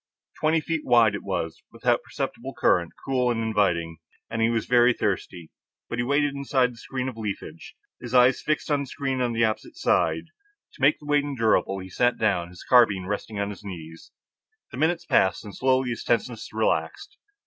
Twenty feet wide it was, without perceptible current, cool and inviting, and he was very thirsty. But he waited inside his screen of leafage, his eyes fixed on the screen on the opposite side. To make the wait endurable, he sat down, his carbine resting on his knees. The minutes passed, and slowly his tenseness relaxed.